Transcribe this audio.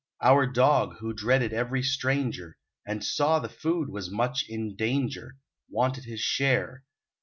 Our Dog, who dreaded every stranger, And saw the food was much in danger, Wanted his share.